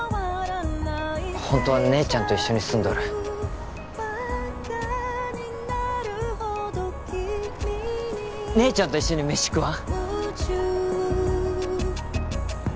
ホントは姉ちゃんと一緒に住んどる姉ちゃんと一緒に飯食わん？